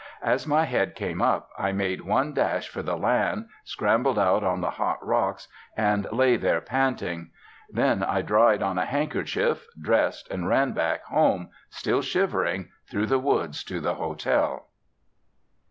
As my head came up I made one dash for the land, scrambled out on the hot rocks, and lay there panting. Then I dried on a handkerchief, dressed, and ran back home, still shivering, through the woods to the hotel.